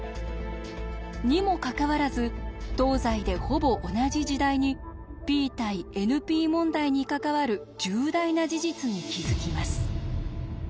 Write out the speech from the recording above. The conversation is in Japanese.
にもかかわらず東西でほぼ同じ時代にＰ対ＮＰ問題に関わる重大な事実に気付きます。